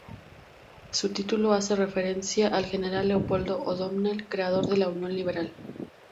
Su título hace referencia al general Leopoldo O'Donnell, creador de la Unión Liberal.